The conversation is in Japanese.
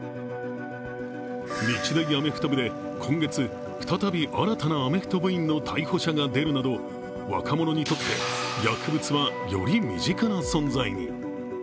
日大アメフト部で今月、再び新たなアメフト部員の逮捕者が出るなど若者にとって薬物はより身近な存在に。